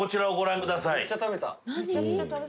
めっちゃ食べた・何？